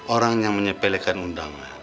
orang yang menyebelahkan undangan